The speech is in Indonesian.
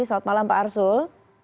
selamat malam pak arsul